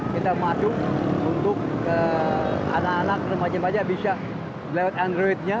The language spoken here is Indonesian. kita masuk untuk anak anak remaja remaja bisa lewat androidnya